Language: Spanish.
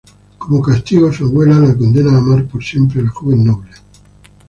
Como castigo, su abuela la condena a amar por siempre al joven noble.